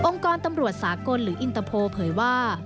กรตำรวจสากลหรืออินเตอร์โพลเผยว่า